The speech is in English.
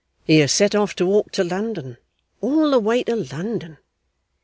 'He has set off to walk to London, all the way to London.